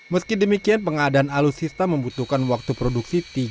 meski demikian pengadaan alutsista membutuhkan waktu produksi lebih lama